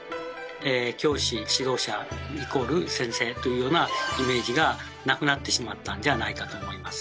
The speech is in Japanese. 「教師指導者」＝「先生」というようなイメージがなくなってしまったんじゃないかと思います。